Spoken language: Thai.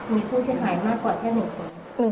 มีผู้เสียหายมากกว่าแค่๑คน